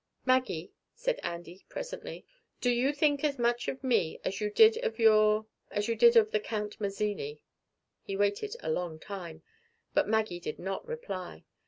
"Maggie," said Andy presently, "do you think as much of me as you did of your as you did of the Count Mazzini?" He waited a long time, but Maggie did not reply.